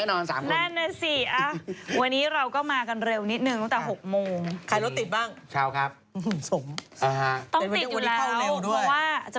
เก่งแล้วนะเริ่มเก่งเริ่มเก่งแล้วนะ